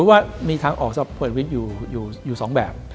ผมคิดว่ามีทางออกสำหรับโพรธวิทย์อยู่๒แบบ